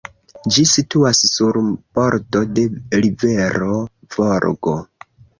Ĝi situas sur bordo de rivero Volgo.